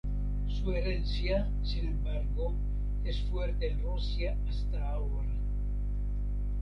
Su herencia, sin embargo, es fuerte en Rusia hasta ahora.